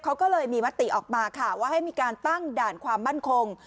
เขาก็เลยมีมติออกมาค่ะว่าให้มีการตั้งด่านความมั่นคง